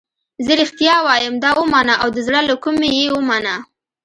زه رښتیا وایم دا ومنه او د زړه له کومې یې ومنه.